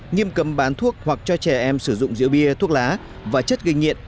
nghiêm cấm bán thuốc hoặc cho trẻ em sử dụng rượu bia thuốc lá và chất gây nghiện